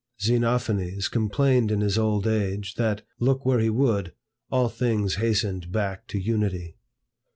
Xenophanes complained in his old age, that, look where he would, all things hastened back to Unity.